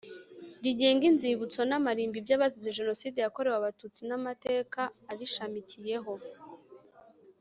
rigenga inzibutso n amarimbi by abazize Jenoside yakorewe Abatutsi n Amateka arishamikiyeho